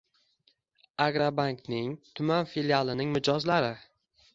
Agrobank ning tuman filialining mijozlari